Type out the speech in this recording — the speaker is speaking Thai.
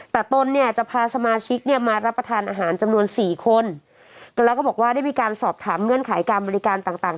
แต่ตนเนี่ยจะพาสมาชิกเนี่ยมารับประทานอาหารจำนวนสี่คนแล้วก็บอกว่าได้มีการสอบถามเงื่อนไขการบริการต่างต่าง